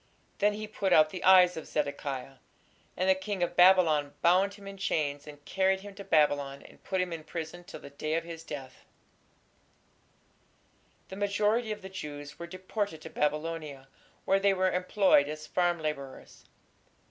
Then he put out the eyes of Zedekiah; and the king of Babylon bound him in chains and carried him to Babylon and put him in prison till the day of his death. The majority of the Jews were deported to Babylonia, where they were employed as farm labourers.